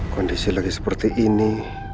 kondisi lagi seperti ini